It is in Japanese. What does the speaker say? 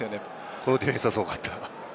このディフェンスはすごかった。